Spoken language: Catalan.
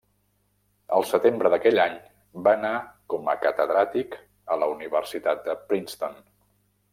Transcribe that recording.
El setembre d'aquell any va anar com a catedràtic a la Universitat de Princeton.